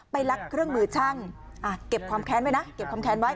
ไปรักเครื่องมือช่างเก็บความแค้นไว้นะ